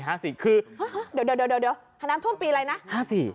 เดี๋ยวเท่าน้ำท่วมปีไหนนะ